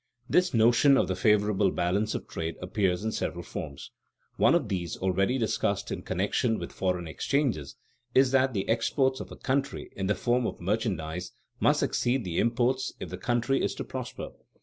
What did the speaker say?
_ This notion of the favorable balance of trade appears in several forms. One of these, already discussed in connection with foreign exchanges, is that the exports of a country in the form of merchandise must exceed the imports if the country is to prosper.